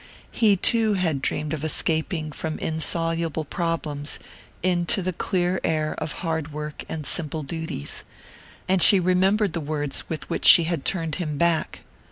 He too had dreamed of escaping from insoluble problems into the clear air of hard work and simple duties; and she remembered the words with which she had turned him back.